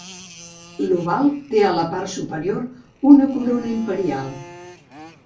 L'oval té a la part superior una corona imperial.